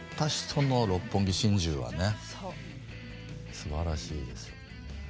すばらしいですよね。